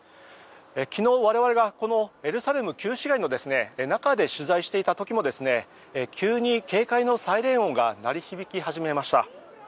昨日、我々がこのエルサレム旧市街の中で取材していた時も急に警戒のサイレン音が鳴り響き始めました。